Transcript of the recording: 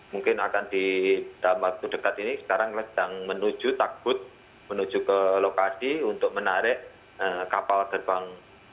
mungkin akan di dalam waktu dekat ini sekarang sedang menuju takbut menuju ke lokasi untuk menarik kapal gerbang